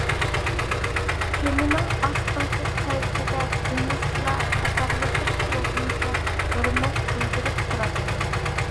كېمىنىڭ ئاستىنقى قەۋىتىدە دېڭىزچىلار قاتارلىشىپ تۇرغىنىچە ھۆرمەت بىلدۈرۈپ تۇراتتى.